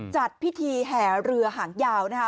จัดพิธีแห่เรือหางยาวนะคะ